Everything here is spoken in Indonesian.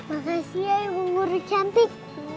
makasih ya ibu murid cantik